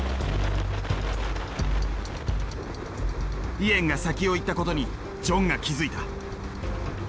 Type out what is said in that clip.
イエンが先を行ったことにジョンが気付いた。